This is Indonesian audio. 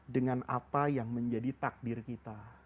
dengan apa yang menjadi takdir kita